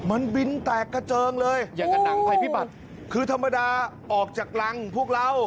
มันบินแตกกระเจิงเลยอย่างกับหนังภัยพิบัติคือธรรมดาออกจากรังพวกเรา